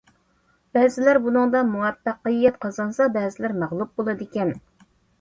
بەزىلەر بۇنىڭدا مۇۋەپپەقىيەت قازانسا، بەزىلەر مەغلۇپ بولىدىكەن.